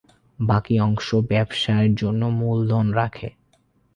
বাকি অংশ ব্যবসায়ের জন্য মূলধন রাখে।